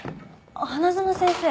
花園先生。